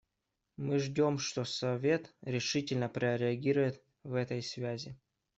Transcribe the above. Мы ждем, что Совет решительно прореагирует в этой связи.